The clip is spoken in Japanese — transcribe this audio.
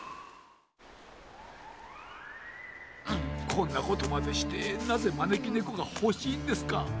こんなことまでしてなぜまねきねこがほしいんですか？